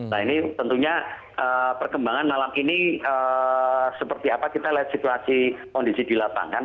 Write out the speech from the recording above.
nah ini tentunya perkembangan malam ini seperti apa kita lihat situasi kondisi di lapangan